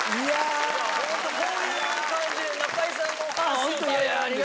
ホントこういう感じで中居さんのお話をされるんですよ。